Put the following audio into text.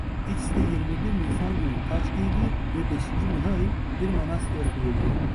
İkisi de yirmi bir Nisan günü taç giydi ve beşinci Mihail bir manastıra sürüldü.